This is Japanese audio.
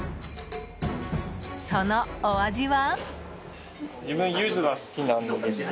そのお味は？